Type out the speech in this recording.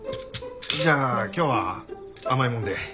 じゃあ今日は甘いもんで。